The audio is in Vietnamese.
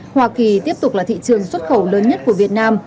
hoa kỳ tiếp tục là thị trường xuất khẩu lớn nhất của việt nam